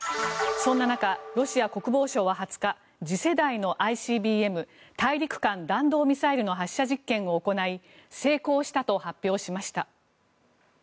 そんな中、ロシア国防省は２０日次世代のＩＣＢＭ・大陸間弾道ミサイルの発射実験を行い成功したと発表しました。